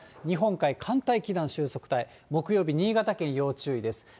日本海寒帯気団収束帯、木曜日、新潟県、要注意です。